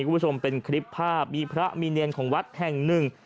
คุณผู้ชมเป็นคลิปภาพมีพระมีเนียนของวัดแห่งหนึ่ง